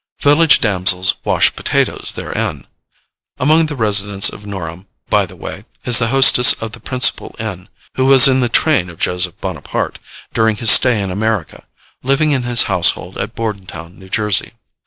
Village damsels wash potatoes therein. Among the residents of Norham, by the way, is the hostess of the principal inn, who was in the train of Joseph Bonaparte, during his stay in America, living in his household at Bordentown, New Jersey.